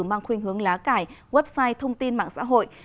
mang khuyên hướng lá cải website thông tin mạng xã hội